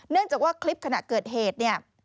เนื่องจากว่าคลิปขณะเกิดเหตุเนี่ย